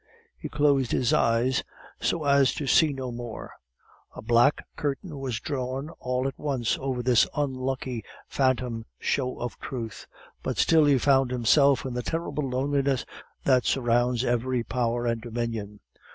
He closed his eyes, so as to see no more. A black curtain was drawn all at once over this unlucky phantom show of truth; but still he found himself in the terrible loneliness that surrounds every power and dominion.